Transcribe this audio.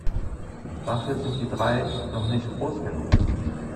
Dafür sind die drei noch nicht groß genug.